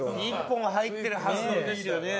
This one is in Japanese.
１本入ってるはずですよね。